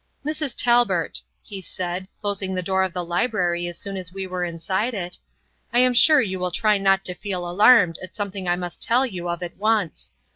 "Mrs. Talbert," he said, closing the door of the library as soon as we were inside it, "I am sure you will try not to feel alarmed at something I must tell you of at once.